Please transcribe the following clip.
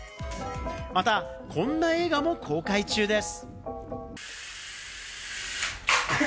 またこんな映画も公開中です。